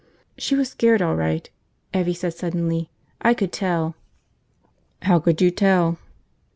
"She was scared, all right," Evvie said suddenly. "I could tell." "How could you tell?"